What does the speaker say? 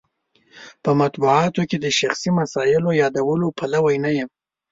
په مطبوعاتو کې د شخصي مسایلو یادولو پلوی نه یم.